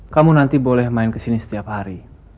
kamu nanti boleh main kesini setiap hari